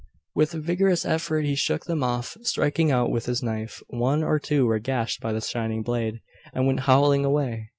With a vigorous effort he shook them off, striking out with his knife. One or two were gashed by the shining blade, and went howling away.